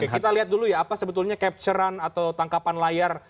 kita lihat dulu ya apa sebetulnya capture an atau tangkapan layar